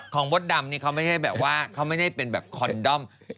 มดดำนี่เขาไม่ใช่แบบว่าเขาไม่ได้เป็นแบบคอนดอม